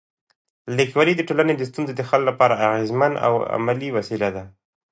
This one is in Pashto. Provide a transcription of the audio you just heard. لیکوالی د ټولنې د ستونزو د حل لپاره اغېزمن او عملي وسیله ده.